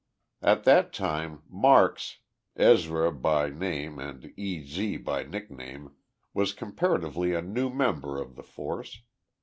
At that time Marks Ezra by name and "E. Z." by nickname was comparatively a new member of the force.